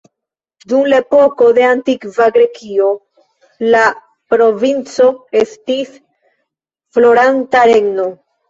Dum la epoko de antikva Grekio, la provinco estis floranta regno.